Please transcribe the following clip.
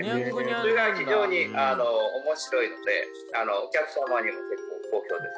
それが非常におもしろいのでお客様にも結構好評です。